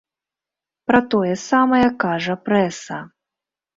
Пра тое самае кажа прэса.